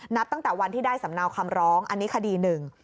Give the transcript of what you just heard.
นับตั้งแต่วันที่ได้สำเนาคำร้องอันนี้คดีหนึ่ง